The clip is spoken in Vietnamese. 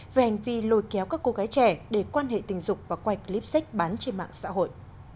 về hành vi lôi kéo các cô gái trẻ để quan hệ tình dục và quay clip sách bán trên mạng xã hội